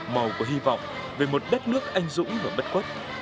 màu của hy vọng về một đất nước anh dũng và bất quất